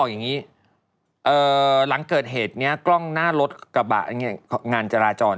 ใช่นี่ไงเพียงแค่ขอตรวจนะ